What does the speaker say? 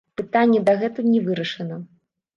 Пытанне дагэтуль не вырашана.